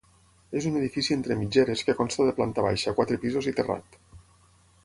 És un edifici entre mitgeres que consta de planta baixa, quatre pisos i terrat.